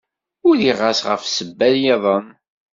Uriɣ-as ɣef ssebba-iḍen.